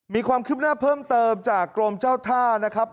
มีความคืบหน้าเพิ่มเติมจากกรมเจ้าท่านะครับ